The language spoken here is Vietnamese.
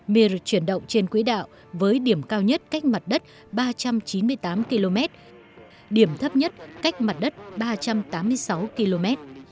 bia được chuyển động trên quỹ đạo với điểm cao nhất cách mặt đất ba trăm chín mươi tám km điểm thấp nhất cách mặt đất ba trăm tám mươi sáu km